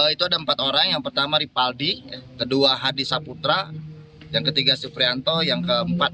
itu ada empat orang yang pertama ripaldi kedua hadi saputra yang ketiga suprianto yang keempat